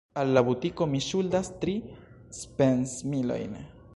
Al la butiko mi ŝuldas tri spesmilojn.